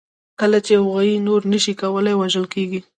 کله چې یوه غویي نور نه شي کولای، وژل کېږي.